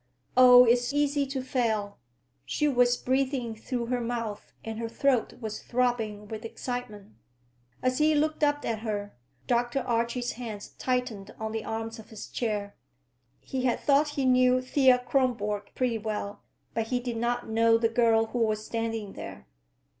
"Oh, it's easy to fail!" She was breathing through her mouth and her throat was throbbing with excitement. As he looked up at her, Dr. Archie's hands tightened on the arms of his chair. He had thought he knew Thea Kronborg pretty well, but he did not know the girl who was standing there.